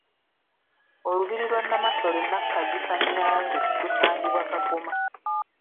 Olubiri lwa Nnamasole Nnakazi Kannyange lusangibwa Kagoma.